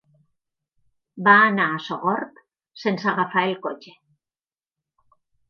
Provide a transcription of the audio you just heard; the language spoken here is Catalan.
Va anar a Sogorb sense agafar el cotxe.